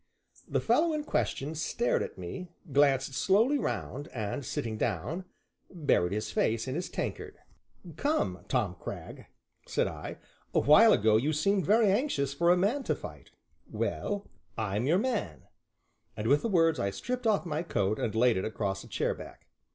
The fellow in question stared at me, glanced slowly round, and, sitting down, buried his face in his tankard. "Come, Tom Cragg," said I, "a while ago you seemed very anxious for a man to fight; well I'm your man," and with the words I stripped off my coat and laid it across a chairback.